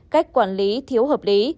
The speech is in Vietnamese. cách quản lý thiếu hợp lý